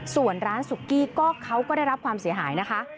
ส่วนร้านสุกี้ก็เขาก็ได้รับความเสียหายนะคะ